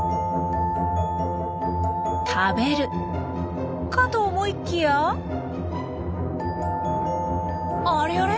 食べるかと思いきやあれあれ？